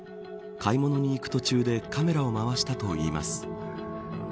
買い物に行く途中でカメラをまわしたといいます。